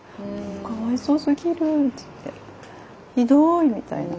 「かわいそうすぎる」って言って「ひどい」みたいな。